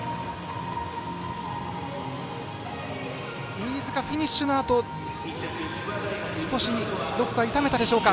飯塚、フィニッシュのあと少しどこか痛めたでしょうか？